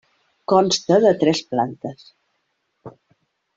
Consta de tres plantes: